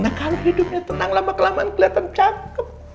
nah kalau hidupnya tenang lama kelamaan kelihatan cakep